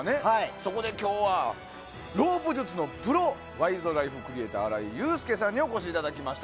そこで今日はロープ術のプロワイルドライフクリエーター荒井裕介さんにお越しいただきました。